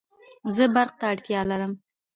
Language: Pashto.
زه برق ته اړتیا لرم